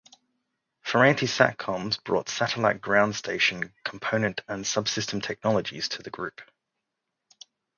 Ferranti Satcomms brought satellite ground station, component and subsystem technologies to the group.